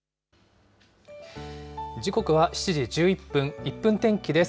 時刻は７時１１分、１分天気です。